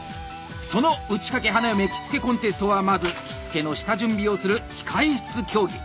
その「打掛花嫁着付コンテスト」はまず着付の下準備をする「控え室競技」。